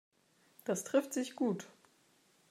Das trifft sich gut.